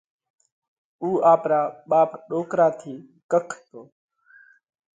اُو آپرا ٻاپ ڏوڪرا ٿِي ڪک هتو۔